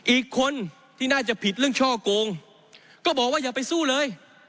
อีกคนที่น่าจะผิดเรื่องช่อโกงก็บอกว่าอย่าไปสู้เลย